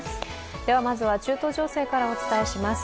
ではまずは中東情勢からお伝えします。